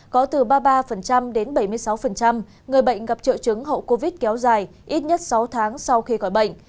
có từ ba mươi ba đến bảy mươi sáu người bệnh gặp triệu chứng hậu covid kéo dài ít nhất sáu tháng sau khi khỏi bệnh